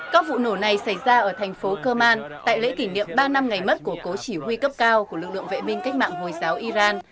các vụ nổ này xảy ra ở thành phố kerman tại lễ kỷ niệm ba năm ngày mất của cố chỉ huy cấp cao của lực lượng vệ minh cách mạng hồi giáo iran